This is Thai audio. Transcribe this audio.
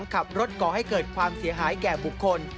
ขับรถก่อให้เกิดความเสียหายแก่บุคคล